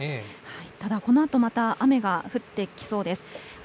ただ、このあとまた雨が降ってきそうです。